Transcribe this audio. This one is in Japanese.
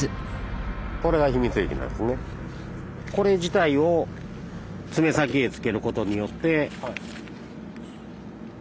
これ自体を爪先へ付けることによって。